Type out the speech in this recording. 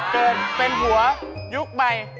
เกิดเป็นหัวยุคใบ